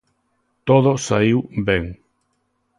Todo saíu ben.